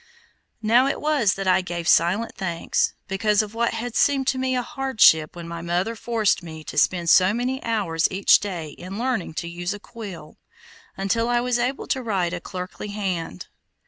Now it was that I gave silent thanks, because of what had seemed to me a hardship when my mother forced me to spend so many hours each day in learning to use a quill, until I was able to write a clerkly hand.